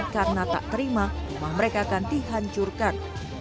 karena tak terima rumah mereka akan dihancurkan